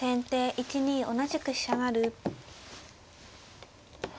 １二同じく飛車成。